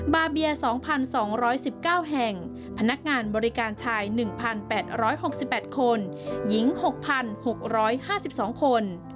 บาเบีย๒๒๑๙แห่งพนักงานบริการชาย๑๘๖๘คนหญิง๖๖๕๒คน